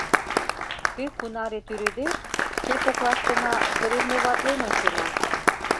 Кӧ кунаре тӱредеш, шке коклаштына соревноватлен ончена.